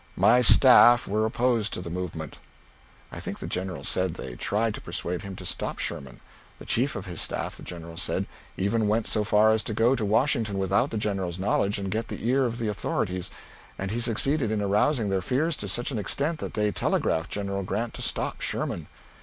My staff were opposed to the movement." (I think the General said they tried to persuade him to stop Sherman. The chief of his staff, the General said, even went so far as to go to Washington without the General's knowledge and get the ear of the authorities, and he succeeded in arousing their fears to such an extent that they telegraphed General Grant to stop Sherman.)